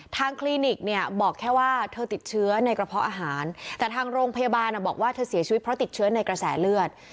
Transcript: คลินิกเนี่ยบอกแค่ว่าเธอติดเชื้อในกระเพาะอาหารแต่ทางโรงพยาบาลบอกว่าเธอเสียชีวิตเพราะติดเชื้อในกระแสเลือด